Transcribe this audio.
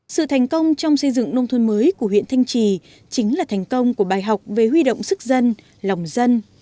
sự thành công trong xây dựng nông thôn mới của huyện thanh trì chính là thành công của bài học về huy động sức dân lòng dân